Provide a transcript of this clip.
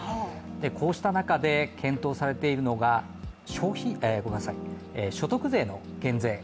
こうした中で、検討されているのが所得税の減税。